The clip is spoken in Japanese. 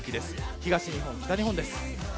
東日本、北日本です。